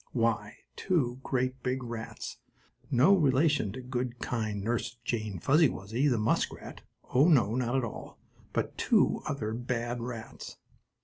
Why, two great big rats, no relation to good, kind Nurse Jane Fuzzy Wuzzy, the muskrat, oh, not at all, but two other bad rats!